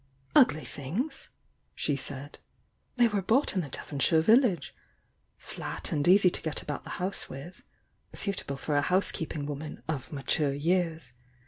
"Ugly things!" she said. "They were bought in the Dievonshire village — flat and easy to get about the house with — suitable for a housekeeping woman 'of mature years!